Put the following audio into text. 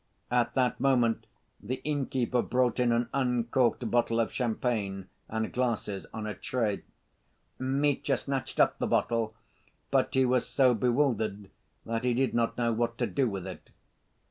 At that moment the innkeeper brought in an uncorked bottle of champagne, and glasses on a tray. Mitya snatched up the bottle, but he was so bewildered that he did not know what to do with it.